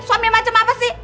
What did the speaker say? suami macam apa sih